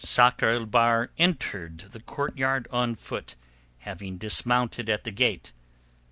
Sakr el Bahr entered the courtyard on foot, having dismounted at the gate.